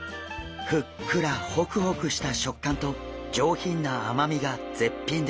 ふっくらホクホクした食感と上品なあまみが絶品です。